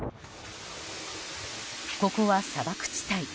ここは砂漠地帯。